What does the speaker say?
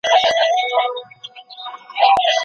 وچکالي د څارویو ژوند هم په خطر کي اچولی دی.